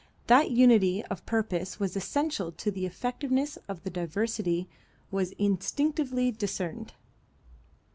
That unity of purpose was essential to the effectiveness of the diversity was instinctively discerned.